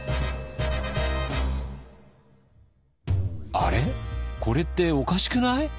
これっておかしくない？